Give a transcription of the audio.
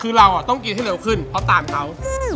คือเราอ่ะต้องกินที่เร็วขึ้นก็ตามเตา